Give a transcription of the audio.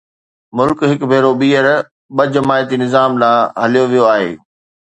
ملڪ هڪ ڀيرو ٻيهر ٻه جماعتي نظام ڏانهن هليو ويو آهي.